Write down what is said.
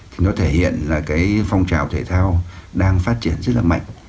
thì nó thể hiện là cái phong trào thể thao đang phát triển rất là mạnh